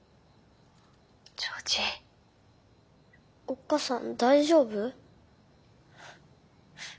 おっ母さん大丈夫？